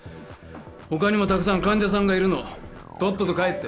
他にもたくさん患者さんがいるのとっとと帰って。